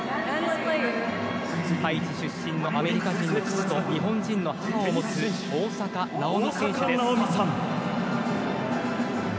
ハイチ出身のアメリカ人の父と日本人の母を持つ大坂なおみ選手です。